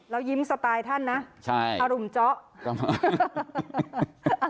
แล้วยิ้มสไตล์ท่านนะอารุมเจ้า